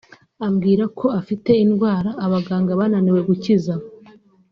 Ambwira ko afite indwara abaganga bananiwe gukiza